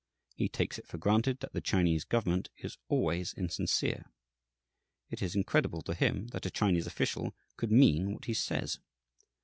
He takes it for granted that the Chinese government is always insincere. It is incredible to him that a Chinese official could mean what he says.